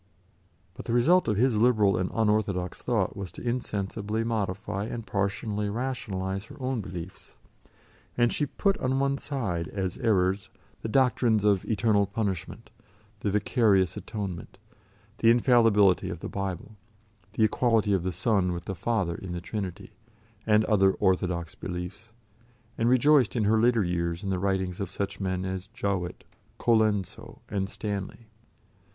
But the result of his liberal and unorthodox thought was to insensibly modify and partially rationalise her own beliefs, and she put on one side as errors the doctrines of eternal punishment, the vicarious atonement, the infallibility of the Bible, the equality of the Son with the Father in the Trinity, and other orthodox beliefs, and rejoiced in her later years in the writings of such men as Jowett, Colenso, and Stanley.